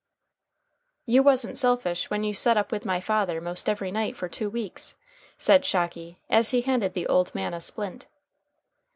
"You wasn't selfish when you set up with my father most every night for two weeks," said Shocky as he handed the old man a splint.